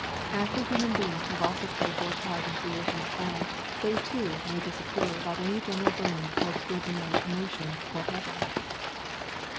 After human beings have also played their part in Creation's plan, they too may disappear without any general burning or extraordinary commotion whatever.